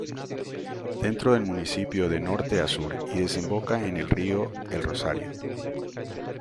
Dentro del municipio de Norte a Sur y desemboca en el Río el Rosario.